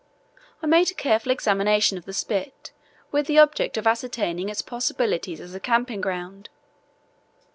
I made a careful examination of the spit with the object of ascertaining its possibilities as a camping ground.